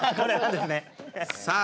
さあ